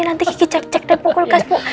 nanti kiki cek cek di dapur kulkas bu